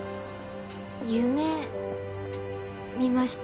夢見ました。